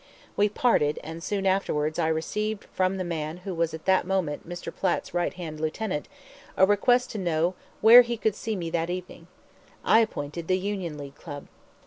We parted, and soon afterwards I received from the man who was at the moment Mr. Platt's right hand lieutenant a request to know where he could see me that evening. I appointed the Union League Club.